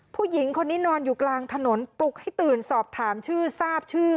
ผู้หญิงคนนี้นอนอยู่กลางถนนปลุกให้ตื่นสอบถามชื่อทราบชื่อ